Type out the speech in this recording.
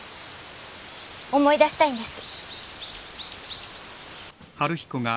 思い出したいんです。